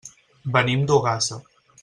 Venim d'Ogassa.